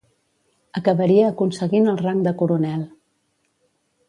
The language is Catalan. Acabaria aconseguint el rang de coronel.